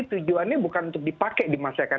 tujuannya bukan untuk dipakai di masa akan